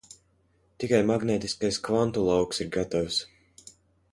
Tikai magnētiskais kvantu lauks ir gatavs.